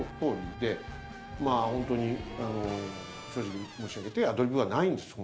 まぁホントに正直申し上げてアドリブはないんですホント。